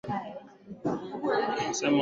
amesema hakuna mtu anayeruhusiwa kuwaona